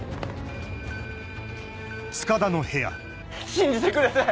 信じてください！